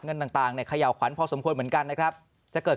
เงินต่างเนี่ยเขย่าขวัญพอสมควรเหมือนกันนะครับจะเกิด